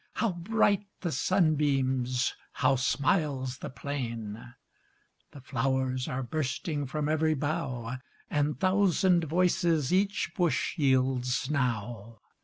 How bright the sunbeams! How smiles the plain! The flow'rs are bursting From ev'ry bough, And thousand voices Each bush yields now.